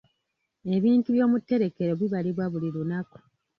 Ebintu by'omutterekero bibalibwa buli lunaku.